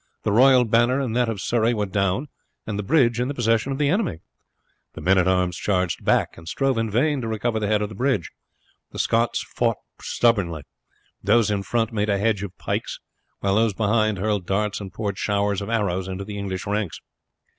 The royal banner and that of Surrey were down, and the bridge in the possession of the enemy. The men at arms charged back and strove in vain to recover the head of the bridge. The Scots fought stubbornly; those in front made a hedge of pikes, while those behind hurled darts and poured showers of arrows into the English ranks.